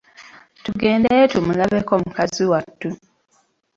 Tugendeyo tumulabeko mukazi wattu.